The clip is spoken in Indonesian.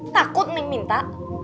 takut neng minta